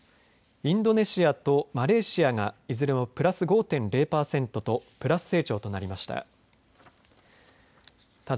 インドネシアとマレーシアが、いずれもプラス５．０パーセントとプラス成長となりました。